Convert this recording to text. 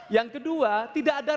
yang kedua tidak ada